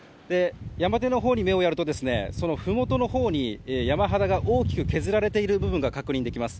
山のほうに目をやるとふもとのほうに山肌が大きく削られている部分が確認できます。